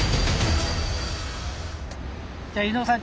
じゃあ伊野尾さん